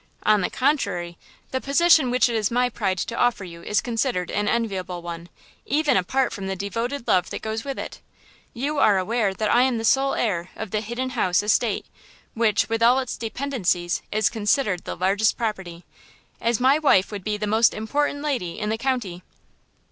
On the contrary, the position which it is my pride to offer you is considered an enviable one; even apart from the devoted love that goes with it. You are aware that I am the sole heir of the Hidden House estate, which, with all its dependencies is considered the largest property, as my wife would be the most important lady, in the county."